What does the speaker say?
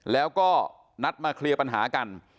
แล้วก็นัดมาเคลียร์ปัญหากัน